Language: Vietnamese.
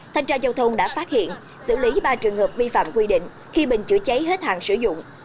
thanh tra giao thông đã phát hiện xử lý ba trường hợp vi phạm quy định khi bình chữa cháy hết hàng sử dụng